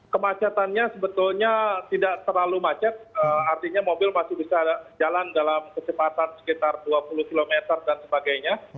kemacetannya sebetulnya tidak terlalu macet artinya mobil masih bisa jalan dalam kecepatan sekitar dua puluh km dan sebagainya